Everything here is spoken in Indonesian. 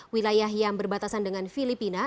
wilayah yang berbatasan dengan filipina